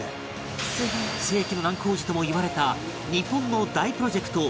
世紀の難工事ともいわれた日本の大プロジェクト